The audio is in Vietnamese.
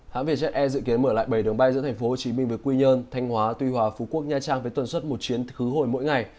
hãng vietjet air dự kiến mở lại bảy đường bay giữa thành phố hồ chí minh với quy nhơn thanh hóa tuy hòa phú quốc nha trang với tuần suốt một chuyến khứ hồi mỗi ngày